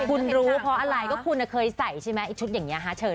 คุณรู้เพราะอะไรก็คุณเคยใส่ใช่ไหมไอ้ชุดอย่างนี้ฮะเชิญ